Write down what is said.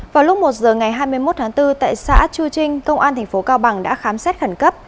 vào lúc một giờ ngày hai mươi một tháng bốn tại xã chu trinh công an tp cao bằng đã khám xét khẩn cấp